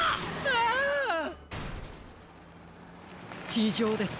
ちじょうです。